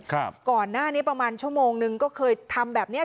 ก่อนหน้านี้ประมาณชั่วโมงนึงก็เคยทำแบบเนี้ย